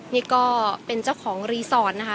นี่ก็เป็นเจ้าของรีสอร์ทนะคะ